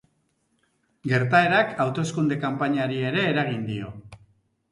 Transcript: Gertaerak hauteskunde-kanpainari ere eragin dio.